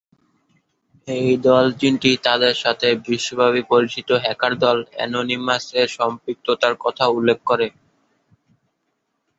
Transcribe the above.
এই দল-তিনটি তাদের সাথে বিশ্বব্যাপী পরিচিত হ্যাকার-দল "অ্যানোনিমাস"-এর সম্পৃক্ততার কথাও উল্লেখ করে।